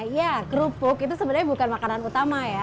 ya kerupuk itu sebenarnya bukan makanan utama ya